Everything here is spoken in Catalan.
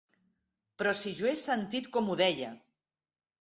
Però si jo he sentit com ho deia!